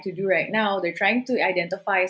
mereka sedang mencoba untuk mengidentifikasi